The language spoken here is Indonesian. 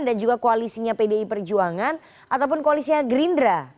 dan juga koalisinya pdi perjuangan ataupun koalisinya gerindra